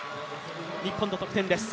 日本の得点です。